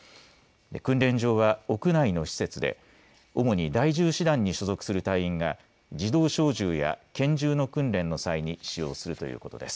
訓練場は屋内の施設で主に第１０師団に所属する隊員が自動小銃や拳銃の訓練の際に使用するということです。